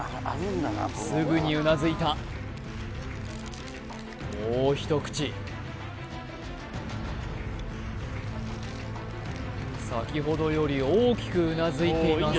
すぐにうなずいたもう一口先ほどより大きくうなずいています